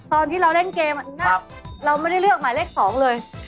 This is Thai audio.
ตอนที่เราเล่นเกมเราไม่ได้เลือกหมายเลข๒เลย